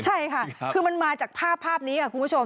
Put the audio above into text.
ใช่ค่ะมันมาจากภาพนี้ครับ